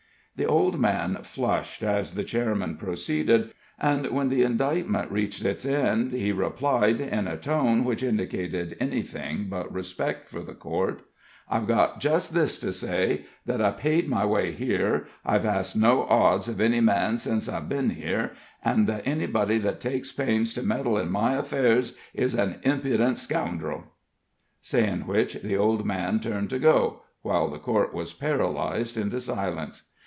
The old man flushed as the chairman proceeded, and when the indictment reached its end, he replied, in a tone which indicated anything but respect for the court: "I've got just this to say, that I paid my way here, I've asked no odds of any man sence I've ben here, an' that anybody that takes pains to meddle with my affairs is an impudent scoundrel!" Saying which, the old man turned to go, while the court was paralyzed into silence.